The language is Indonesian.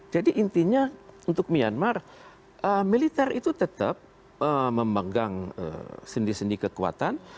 jadi intinya untuk myanmar militer itu tetap memegang sendi sendi kekuatan